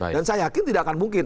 dan saya yakin tidak akan mungkin